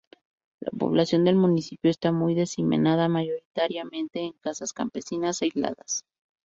La población del municipio está muy diseminada, mayoritariamente en casas campesinas aisladas.